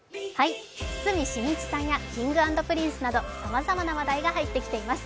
堤真一さんやＫｉｎｇ＆Ｐｒｉｎｃｅなどさまざまな話題が入ってきています。